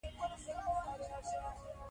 ما له اضطراب سره څو ورځې مقاومت کړی دی.